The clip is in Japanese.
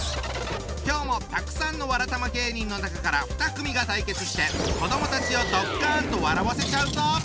今日もたくさんのわらたま芸人の中から２組が対決して子どもたちをドッカンと笑わせちゃうぞ！